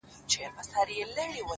زما تصـور كي دي تصـوير ويده دی ـ